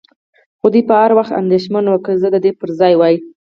خو دی به هر وخت اندېښمن و، که زه د ده پر ځای وای.